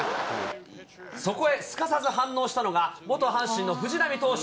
そこへすかさず反応したのが、元阪神の藤浪投手。